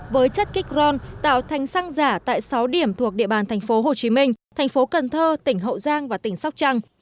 với chất kích ron tạo thành xăng giả tại sáu điểm thuộc địa bàn thành phố hồ chí minh thành phố cần thơ tỉnh hậu giang và tỉnh sóc trăng